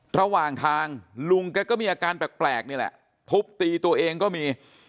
ระหว่างทางลุงแกก็มีอาการแปลกนี่แหละทุบตีตัวเองก็มี